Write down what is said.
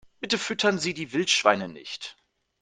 Bitte füttern Sie die Wildschweine nicht!